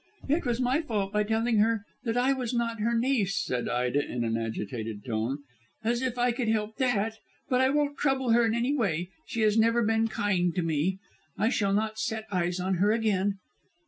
"It was my fault by telling her that I was not her niece," said Ida in an agitated tone. "As if I could help that. But I won't trouble her in any way; she has never been kind to me. I shall not set eyes on her again."